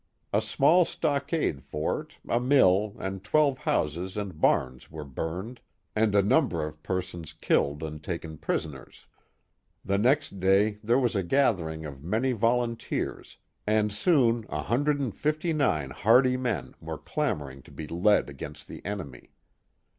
A small stockade fort, a mill, and twelve houses and barns were burned, and a number of persons killed and taken prisoners. The next day there w^as a gathering of many vol • unteers, and soon 159 hardy men were clamoring to be led against the enemy.